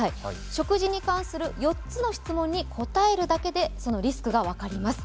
食事に関する４つの質問に答えるだけで、そのリスクが分かります。